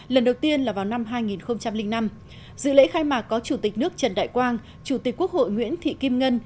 lần đầu tiên là vào năm hai nghìn năm dự lễ khai mạc có chủ tịch nước trần đại quang chủ tịch quốc hội nguyễn thị kim ngân